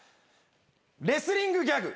レスリングギャグ。